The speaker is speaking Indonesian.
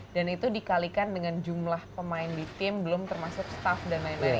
dan itu dikalikan dengan jumlah pemain di tim belum termasuk staff dan lain lain